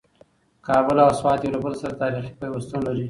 کابل او سوات یو له بل سره تاریخي پیوستون لري.